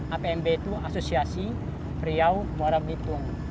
apmb itu asosiasi periau waram hitung